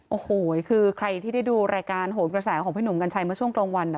โอ้โหคือใครที่ได้ดูรายการโหนกระแสของพี่หนุ่มกัญชัยเมื่อช่วงกลางวัน